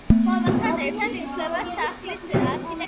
მფლობელთან ერთად იცვლებოდა სასახლის არქიტექტურაც.